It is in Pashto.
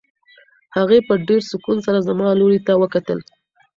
هغې په ډېر سکون سره زما لوري ته وکتل.